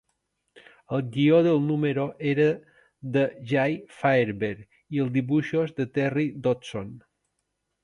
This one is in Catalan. El guió del número era de Jay Faerber i els dibuixos de Terry Dodson.